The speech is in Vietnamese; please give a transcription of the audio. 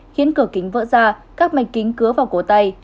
khiến cửa kính vỡ ra các mạch kính cứa vào cổ tay